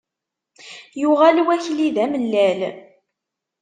Yuɣal wakli d amellal.